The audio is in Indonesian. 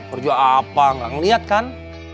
perjuangan apa nggak ngelihat kan